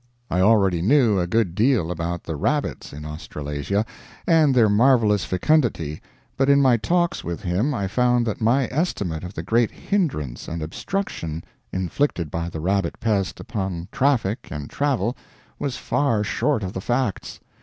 I already knew a good deal about the rabbits in Australasia and their marvelous fecundity, but in my talks with him I found that my estimate of the great hindrance and obstruction inflicted by the rabbit pest upon traffic and travel was far short of the facts.